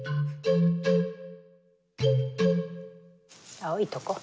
青いとこ。